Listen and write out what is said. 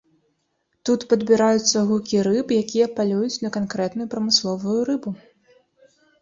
Тут падбіраюцца гукі рыб, якія палююць на канкрэтную прамысловую рыбу.